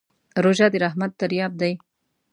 روژه د رحمت دریاب دی.